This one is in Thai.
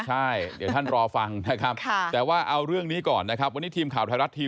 ใช่เดี๋ยวช่างรอฟังนะค่ะแต่ว่าเอาเรื่องนี้ก่อนนะครับพอนิถีไม่รัดที